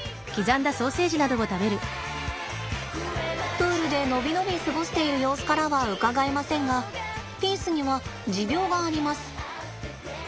プールで伸び伸び過ごしている様子からはうかがえませんがピースには持病があります。